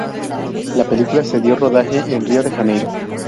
La película se dió rodaje en Rio de Janeiro.